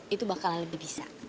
itu bakalan lebih bisa